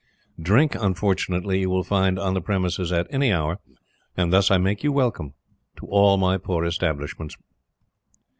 Drink, unfortunately, you will find on the premises at any hour: and thus I make you welcome to all my poor establishments."